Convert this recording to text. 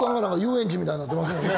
みたいになってますもんね。